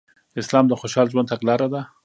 اسلام د خوشحاله ژوند تګلاره ده